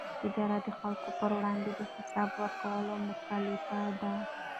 اداره د خلکو پر وړاندې د حساب ورکولو مکلفه ده.